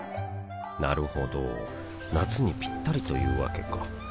なるほど夏にピッタリというわけか